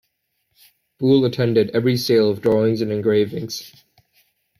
Boulle attended every sale of drawings and engravings.